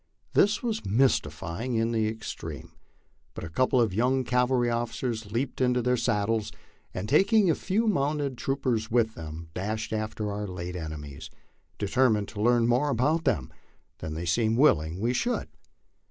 This was mystifying in the extreme, but a couple of young cavalry officers leaped into their saddles and taking a few mounted troopers with them dashed after our late enemies, determined to learn more about them than they seemed willing we should.